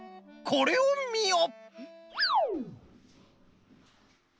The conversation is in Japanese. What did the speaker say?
これをみよ！